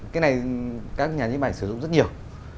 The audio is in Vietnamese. cái này các nhà nhếp ảnh sử dụng rất nhiều